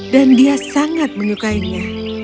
dan dia sangat menyukainya